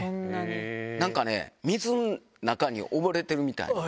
なんかね、水の中におぼれてるみたい。